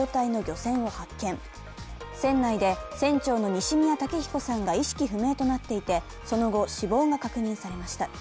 船内で船長の西宮武彦さんが意識不明となっていてその後、死亡が確認されました。